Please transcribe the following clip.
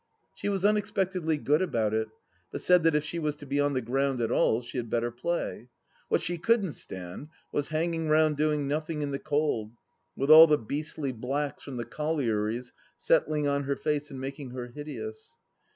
She was unexpectedly good about it, but said that if she was to be on the ground at all she had better play. What she couldn't stand was hanging round doing nothing in the cold, with all the beastly blacks from the collieries settling on her face and making her hideous.